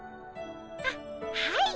あっはい。